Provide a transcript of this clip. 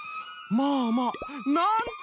まあまあ！なんて